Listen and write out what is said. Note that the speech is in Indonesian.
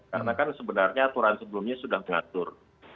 karena kan sebenarnya aturan sebelumnya sudah mengatur